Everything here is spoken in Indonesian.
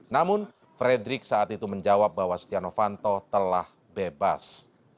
namun fredrik saat itu menjawab bahwa stianofanto telah bebas